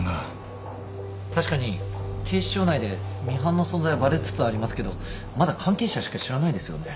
確かに警視庁内でミハンの存在はバレつつありますけどまだ関係者しか知らないですよね？